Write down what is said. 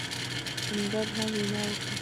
همدرد هم وینا وکړه.